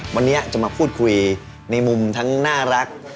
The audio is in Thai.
วันนี้จะมาพูดคุยในมุมทั้งน่ารัก